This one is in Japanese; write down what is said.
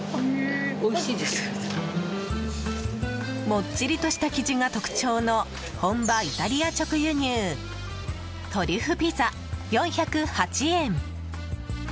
もっちりとした生地が特徴の本場イタリア直輸入トリュフピザ、４０８円。